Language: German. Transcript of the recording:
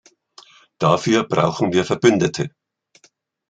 Dafür brauchen wir Verbündete.